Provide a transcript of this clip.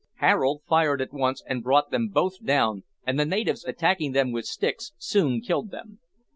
Harold fired at once and brought them both down, and the natives, attacking them with sticks, soon killed them.